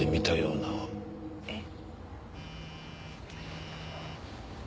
えっ？